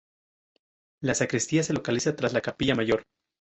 La sacristía se localiza tras la capilla mayor.